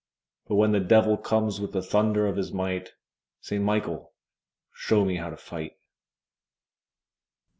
But when the Devil comes with the thunder of his might, Saint Michael, show me how to fight!